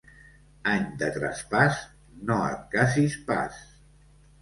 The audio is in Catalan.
Any de traspàs, no et casis pas.